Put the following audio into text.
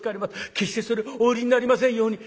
決してそれをお売りになりませんように。